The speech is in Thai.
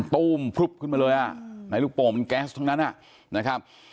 ตู้มพลึบขึ้นมาเลยอ่ะไหนลูกโป่งมันแก๊สทั้งนั้นนะครับ